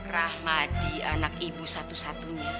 rahmadi anak ibu satu satunya